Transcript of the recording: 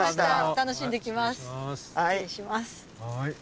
楽しんできます。